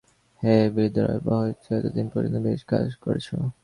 হে বীরহৃদয় বৎস, এতদিন পর্যন্ত বেশ কাজ করেছ।